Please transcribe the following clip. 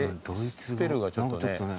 スペルがちょっとね。